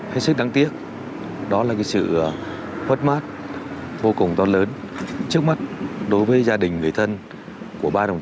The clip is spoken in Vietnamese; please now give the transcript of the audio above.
hết sức đáng tiếc đó là sự mất mát vô cùng to lớn trước mắt đối với gia đình người thân của ba đồng